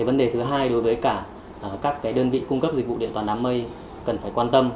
vấn đề thứ hai đối với cả các đơn vị cung cấp dịch vụ điện toán đám mây cần phải quan tâm